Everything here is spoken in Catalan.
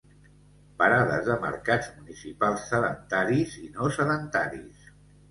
Parades de mercats municipals sedentaris i no sedentaris.